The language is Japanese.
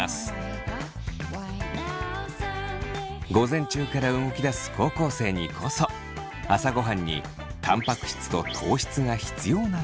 午前中から動き出す高校生にこそ朝ごはんにたんぱく質と糖質が必要なのです。